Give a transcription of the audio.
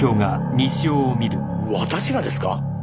私がですか？